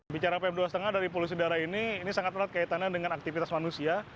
bicara pm dua lima dari polusi darah ini sangat terkait dengan aktivitas manusia